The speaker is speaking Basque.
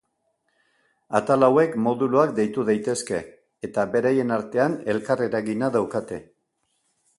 Atal hauek moduluak deitu daitezke, eta beraien artean elkar-eragina daukate.